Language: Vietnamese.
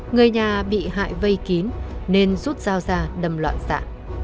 người nhà bị hại vây kín nên rút dao ra đâm loạn xạ